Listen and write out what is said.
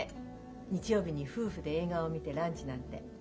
日曜日に夫婦で映画を見てランチなんて。